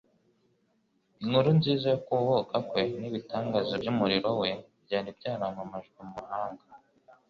Inkuru nziza yo kuvuka kwe, n'ibitangaza by'umurimo we byari byaramamajwe mu mahanga.